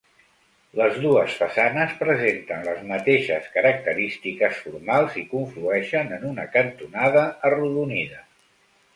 Les dues façanes presenten les mateixes característiques formals i conflueixen en una cantonada arrodonida.